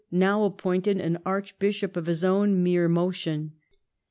now appointed an archbishop of his own mere motion.